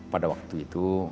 pada waktu itu